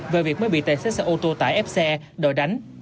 về việc mới bị tài xế xe ô tô tải ép xe đòi đánh